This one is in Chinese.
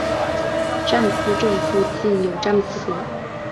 詹姆斯镇附近有詹姆斯河。